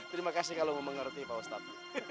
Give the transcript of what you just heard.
terima kasih kalau mengerti pak ustaz